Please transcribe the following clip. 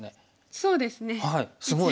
そうですね一応。